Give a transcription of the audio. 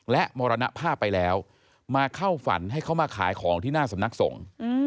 และมรณภาพไปแล้วมาเข้าฝันให้เขามาขายของที่หน้าสำนักสงฆ์